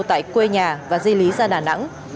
tại quê nhà và di lý ra đà nẵng